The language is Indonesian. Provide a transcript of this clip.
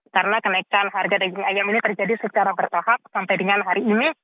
karena kenaikan harga daging ayam ini terjadi secara bertahap sampai dengan hari ini